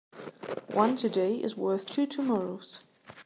One today is worth two tomorrows.